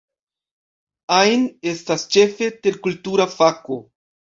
Ain estas, ĉefe, terkultura fako.